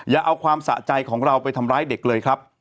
อย่าเอาความสะใจของเราไปทำร้ายเด็กเลยครับ